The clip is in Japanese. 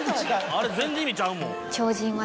あれ全然意味ちゃうもん。